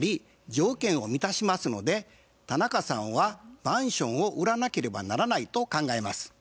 条件を満たしますので田中さんはマンションを売らなければならないと考えます。